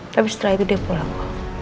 tapi setelah itu dia pulang